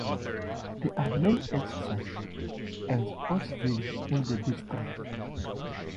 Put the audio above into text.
There are many exercise and sports venues in the district.